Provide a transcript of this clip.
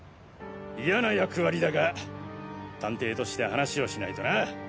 嫌な役割だが探偵として話をしないとな。